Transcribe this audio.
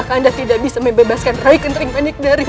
maka ibu nda tidak bisa memberikan perhatian kepada ratu kentri manik